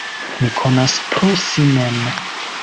Mi konas pro si mem.